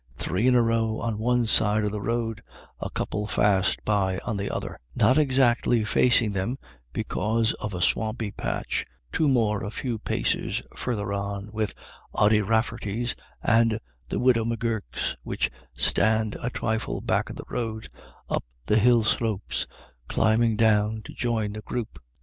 Three in a row on one side of the road, a couple fast by on the other — not exactly facing them, because of a swampy patch — two more a few paces further on, with "Ody Rafferty's" and "the widow M'Gurk's," which stand "a trifle back o* the road" up the hill slopes, climbing down to join the group.